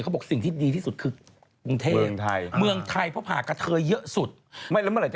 ไม่ผมรอฟังเรื่องน้ำเพชรเอาอ้ำอยู่เลย